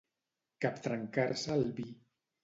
Captrencar-se el vi.